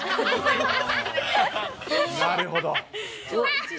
なるほど。